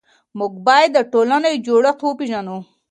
موږ بايد د ټولني جوړښت وپيژنو.